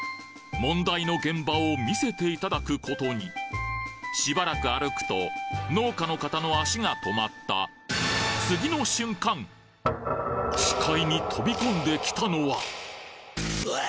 問題の現場を見せていただくことにしばらく歩くと農家の方の足が止まった視界に飛び込んできたのは？